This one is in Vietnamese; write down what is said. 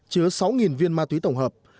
chứa sáu viên ma túy tổng hợp